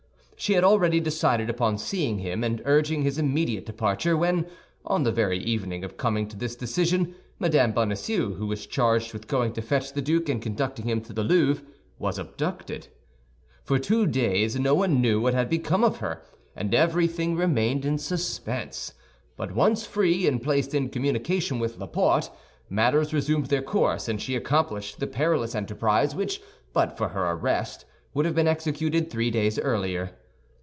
She had already decided upon seeing him and urging his immediate departure, when, on the very evening of coming to this decision, Mme. Bonacieux, who was charged with going to fetch the duke and conducting him to the Louvre, was abducted. For two days no one knew what had become of her, and everything remained in suspense; but once free, and placed in communication with Laporte, matters resumed their course, and she accomplished the perilous enterprise which, but for her arrest, would have been executed three days earlier.